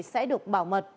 sẽ được bảo mật